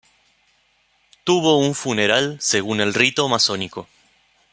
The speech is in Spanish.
Tuvo un funeral según el rito masónico.